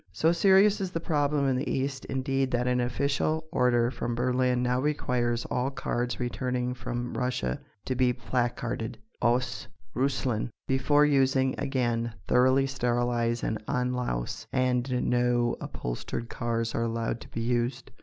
So serious is the problem in the east indeed that an official order from Berlin now requires all cars returning from Russia to be placarded "Aus Russland! Before using again thoroughly sterilise and unlouse!" And no upholstered cars are allowed to be used.